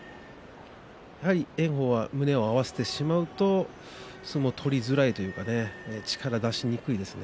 炎鵬は胸を合わせてしまうと相撲が取りづらいというか力を出しにくいですね。